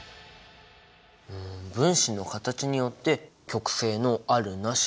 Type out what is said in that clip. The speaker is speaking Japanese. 分子の形によって極性のあるなしが決まる。